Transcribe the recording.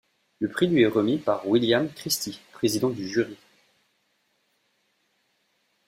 Le prix lui est remis par William Christie, président du jury.